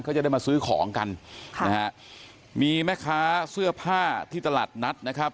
เขาจะได้มาซื้อของกันค่ะนะฮะมีแม่ค้าเสื้อผ้าที่ตลาดนัดนะครับ